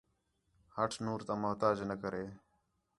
ہٹ نور تا محتاج نہ کرے